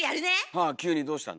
はぁ急にどうしたの。